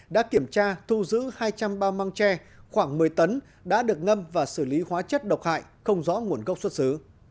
đã kiểm tra thu giữ hai trăm linh bao măng tre khoảng một mươi tấn đã được ngâm và xử lý hóa chất độc hại không rõ nguồn gốc xuất xứ